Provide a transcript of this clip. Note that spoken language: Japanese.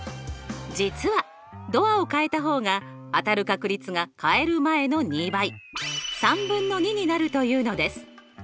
実はドアを変えた方が当たる確率が変える前の２倍３分の２になるというのです。